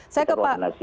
saya ke pak